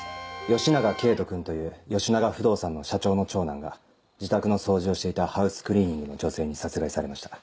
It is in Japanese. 吉長圭人君という吉長不動産の社長の長男が自宅の掃除をしていたハウスクリーニングの女性に殺害されました。